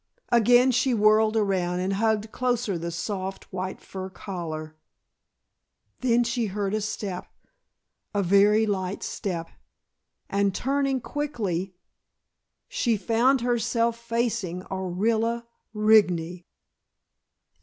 Again she whirled around and hugged closer the soft, white fur collar. Then she heard a step, a very light step, and turning quickly, she found herself facing Orilla Rigney!